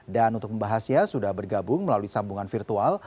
dan untuk membahasnya sudah bergabung melalui sambungan virtual